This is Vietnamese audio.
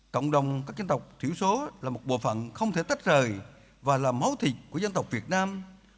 cộng đồng các dân tộc thiểu số là một bộ phận không thể tách rời và là máu thịt của dân tộc việt nam